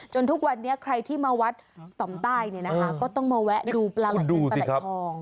ทุกวันนี้ใครที่มาวัดต่อมใต้เนี่ยนะคะก็ต้องมาแวะดูปลาไหล่เงินปลาไหลทอง